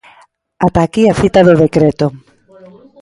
Ata aquí a cita do decreto.